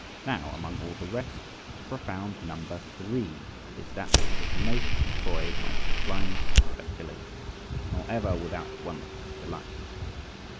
Now, among all the rest, the profound number THREE is that which has most employed my sublimest speculations, nor ever without wonderful delight.